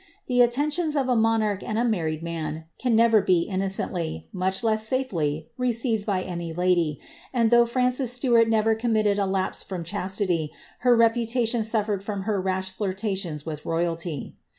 The attentions of a monarch and a married man be innocently, much less safely, received by any lady, and ances Stuart never committed a lapse from chastity, her repu ned from her rash flirtations with rojralty.